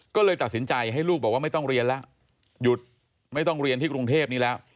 ก็เลยตัดสินใจให้ลูกบอกว่าไม่ต้องเรียนแล้วหยุดไม่ต้องเรียนที่กรุงเทพนี้แล้ว